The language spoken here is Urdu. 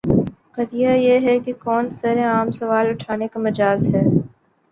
قضیہ یہ ہے کہ کون سر عام سوال اٹھانے کا مجاز ہے؟